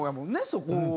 そこは。